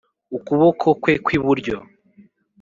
ukuboko kwe kw iburyo